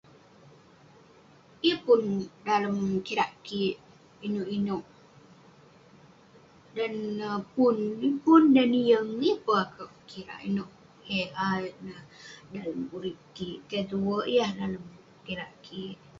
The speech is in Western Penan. Yeng pun dalem kirak kik inouk inouk. Dan neh pun, bik pun. dan neh yeng, yeng peh akouk kirak kirak inouk [unintelligible] dalem urip kik. Keh tue yah dalem kirak kik.